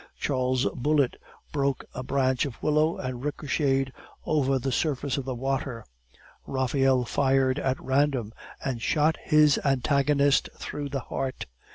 Charles' bullet broke a branch of willow, and ricocheted over the surface of the water; Raphael fired at random, and shot his antagonist through the heart.